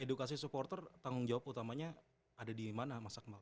edukasi supporter tanggung jawab utamanya ada di mana mas akmal